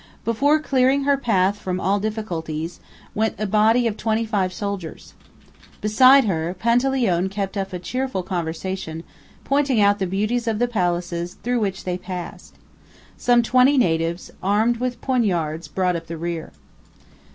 Before, clearing her path from all difficulties, went a body of twenty five soldiers. Beside her, Panteleone kept up a cheerful conversation, pointing out the beauties of the palaces through which they passed. Some twenty natives, armed with poignards, brought up the rear.